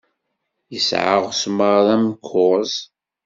Yesɛa aɣesmar d amkuẓ.